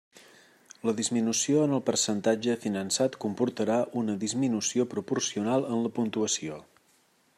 La disminució en el percentatge finançat comportarà una disminució proporcional en la puntuació.